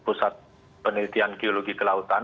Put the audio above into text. pusat penelitian geologi kelautan